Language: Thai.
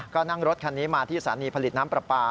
ก็นั่งรถคันนี้มาที่สถานีผลิตน้ำปลาปลา